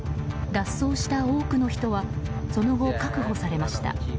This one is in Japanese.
脱走した多くの人はその後、確保されました。